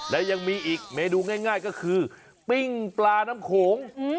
และยังมีอีกเมนูง่ายก็คือปิ้งปลาน้ำโขง